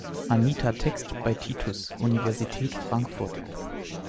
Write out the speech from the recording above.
Anitta-Text bei Titus, Universität Frankfurt